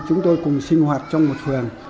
khi chúng tôi cùng sinh hoạt trong một phường